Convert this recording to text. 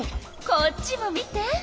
こっちも見て！